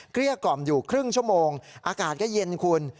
เกี้ยกล่อมอยู่ครึ่งชั่วโมงอากาศก็เย็นคุณ